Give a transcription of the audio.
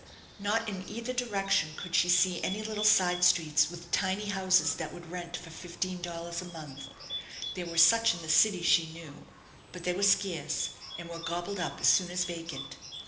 Not in either direction could she see any little side streets with tiny houses that would rent for fifteen dollars a month. There were such in the city, she knew; but they were scarce, and were gobbled up as soon as vacant.